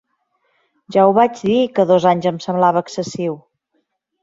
Ja ho vaig dir, que dos anys em semblava excessiu.